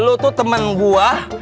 lu tuh temen gue